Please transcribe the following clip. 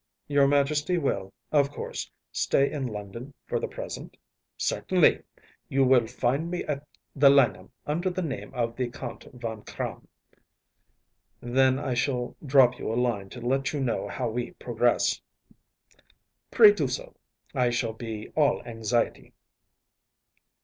Your Majesty will, of course, stay in London for the present?‚ÄĚ “Certainly. You will find me at the Langham under the name of the Count Von Kramm.‚ÄĚ “Then I shall drop you a line to let you know how we progress.‚ÄĚ “Pray do so. I shall be all anxiety.